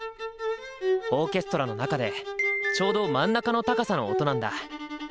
オーケストラの中でちょうど真ん中の高さの音なんだ。